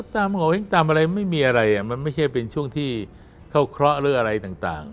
เห็นตามอะไรไม่มีอะไรมันไม่ใช่เป็นช่วงที่เข้าเคราะห์หรืออะไรต่าง